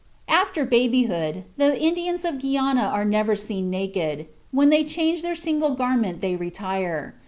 After babyhood the Indians of Guiana are never seen naked. When they change their single garment they retire.